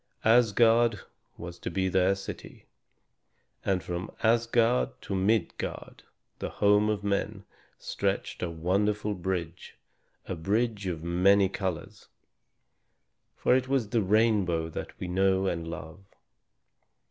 Asgard was to be their city, and from Asgard to Midgard, the home of men, stretched a wonderful bridge, a bridge of many colors. For it was the rainbow that we know and love.